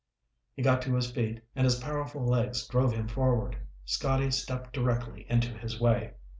He got to his feet and his powerful legs drove him forward. Scotty stepped directly into his way.